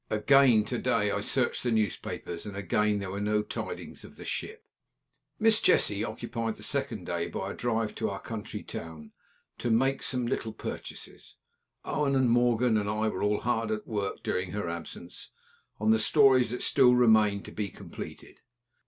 Again to day I searched the newspapers, and again there were no tidings of the ship. Miss Jessie occupied the second day by a drive to our county town to make some little purchases. Owen, and Morgan, and I were all hard at work, during her absence, on the stories that still remained to be completed.